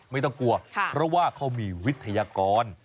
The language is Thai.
ไม่ต้องกลัวเพราะว่าเขามีวิทยากร